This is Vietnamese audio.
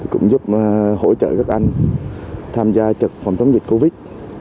cũng giúp hỗ trợ các anh tham gia trực phòng chống dịch covid